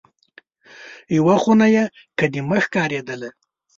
یوه خونه یې قدیمه ښکارېدله.